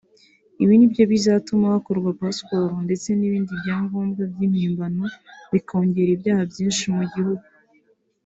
ibi nibyo bizatuma hakorwa pasiporo ndetse n’ibindi byangombwa mpimbano bikongera ibyaha byinshi mu gihugu”